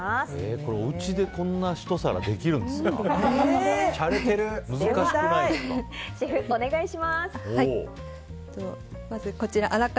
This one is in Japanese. これ、おうちでこんなひと皿ができるんですか。